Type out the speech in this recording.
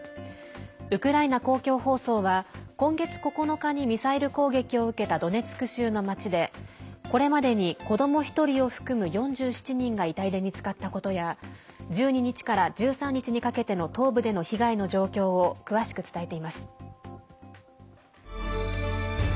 ウクライナ公共放送は今月９日にミサイル攻撃を受けたドネツク州の町でこれまでに子ども１人を含む４７人が遺体で見つかったことや１２日から１３日にかけての東部での被害の状況を詳しく伝えています。